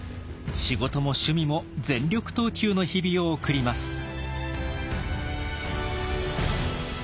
仕事も趣味も全力投球の日々を送ります。